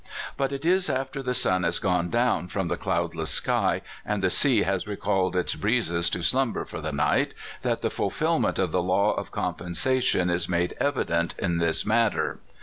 But it is after the sun has gone down from the cloudless sky, and the sea has recalled its breezes to slumber for the night, that the fulfillment of the law of compensation is made evident in this mat ter.